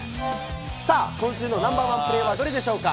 さあ、今週のナンバー１プレーはどれでしょうか。